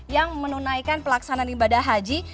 yang menunaikan pelaksanaan ibadah haji